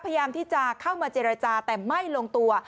พยายามที่จะเข้ามาเจรจาแต่ไม่ลงตัว